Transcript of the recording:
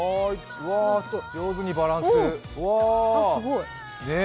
上手にバランス。